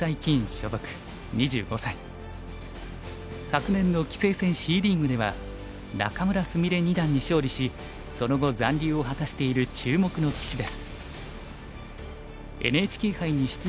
昨年の棋聖戦Ｃリーグでは仲邑菫二段に勝利しその後残留を果たしている注目の棋士です。